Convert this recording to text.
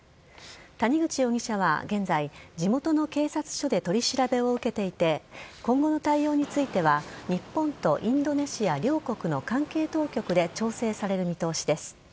谷口容疑者は現在地元の警察署で取り調べを受けていて今後の対応については日本とインドネシア両国の関係当局で調整される見通しです。